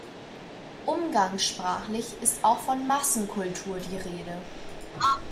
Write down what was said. Umgangssprachlich ist auch von "Massenkultur" die Rede.